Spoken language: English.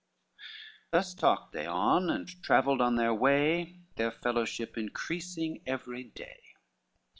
Thus talked they on, and travelled on their way Their fellowship increasing every day.